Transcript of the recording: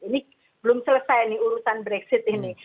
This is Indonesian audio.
ini belum selesai nih urusan brexit ini